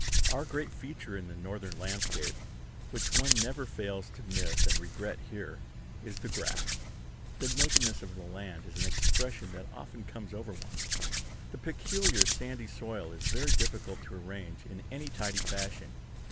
Our great feature in the Northern landscape, which one never fails to miss and regret here, is the grass. The nakedness of the land is an expression that often comes over one. The peculiar sandy soil is very difficult to arrange in any tidy fashion.